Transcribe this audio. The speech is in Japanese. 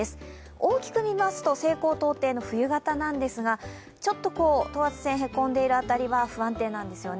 大きく見ますと西高東低の冬型なんですがちょっと等圧線、へこんでいる辺りは不安定なんですよね。